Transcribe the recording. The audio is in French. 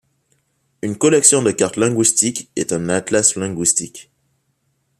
Une collection de cartes linguistiques est un atlas linguistique.